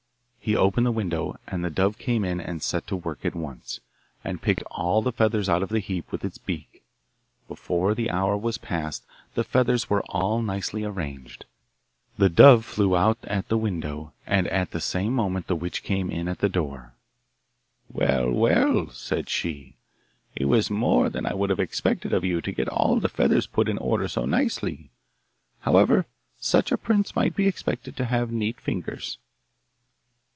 He opened the window, and the dove came in and set to work at once, and picked all the feathers out of the heap with its beak. Before the hour was past the feathers were all nicely arranged: the dove flew out at the window, and at, the same moment the witch came in at the door. 'Well, well,' said she, 'it was more than I would have expected of you to get all the feathers put in order so nicely. However, such a prince might be expected to have neat fingers.